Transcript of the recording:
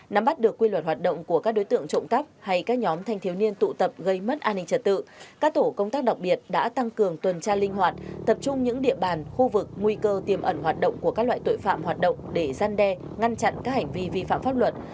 nắm bắt được quy luật hoạt động của các đối tượng trộm cắp hay các nhóm thanh thiếu niên tụ tập gây mất an ninh trật tự các tổ công tác đặc biệt đã tăng cường tuần tra linh hoạt tập trung những địa bàn khu vực nguy cơ tiềm ẩn hoạt động của các loại tội phạm hoạt động để gian đe ngăn chặn các hành vi vi phạm pháp luật